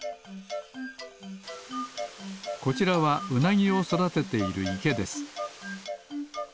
こちらはウナギをそだてているいけです